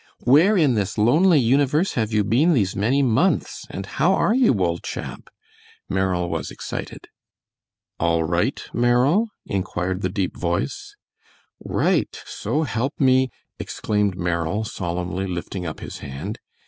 "Where in this lonely universe have you been these many months, and how are you, old chap?" Merrill was excited. "All right, Merrill?" inquired the deep voice. "Right, so help me " exclaimed Merrill, solemnly, lifting up his hand.